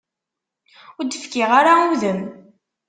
Ur d-fkiɣ ara udem.